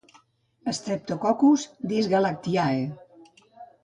Streptococcus dysgalactiae.